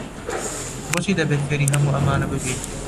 بۆچی دەبێت فێری هەموو ئەمانە ببین؟